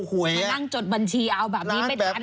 พ่อยตั้งจดบัญชีเอาแบบนี้ไม่ตันแล้ว